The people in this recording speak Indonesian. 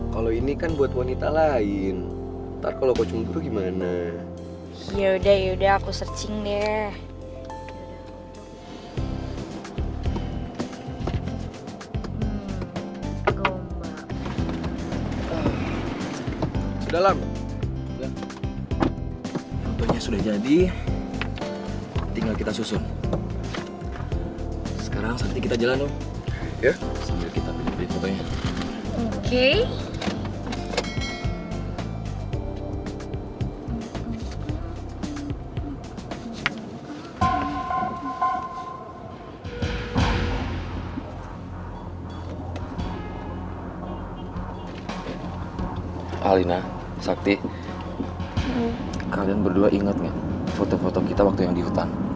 kalian berdua ingat gak foto foto kita waktu yang di hutan